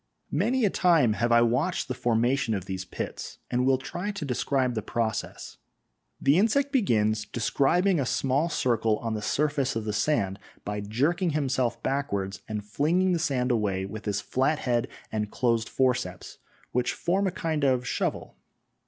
Many a time have I watched the formation of these pits, and will try to describe the process. The insect begins describing a small circle on the surface of the sand by jerking himself backwards and flinging the sand away with his flat head and closed forceps, which form a kind of shovel.